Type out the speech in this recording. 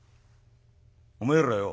「おめえらよ